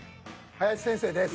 林先生です。